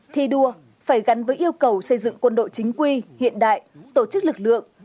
thi đua phải gắn với yêu cầu xây dựng quân đội chính quy hiện đại tổ chức lực lượng